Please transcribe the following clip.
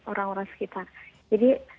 orang orang sekitar jadi